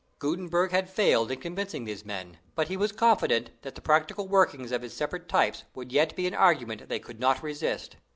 Gutenberg had failed in convincing these men, but he was confident that the practical working of his separate types would yet be an argument they could not resist.